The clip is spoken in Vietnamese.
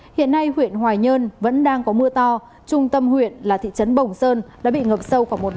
hiện nay huyện hoài nhơn vẫn đang có mưa to trung tâm huyện là thị trấn bồng sơn đã bị ngập sâu khoảng một m